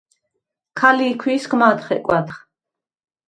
ქა ლი̄ქუ̂ისგ მად ხეკუ̂ა̈დ.